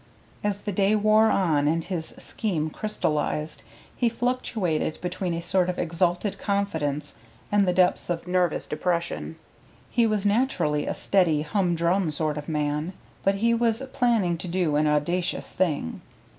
As the day wore on and his scheme crystallized, he fluctuated between a sort of exalted confidence and the depths of nervous depression. He was naturally a steady, humdrum sort of man, but he was planning to do an audacious thing.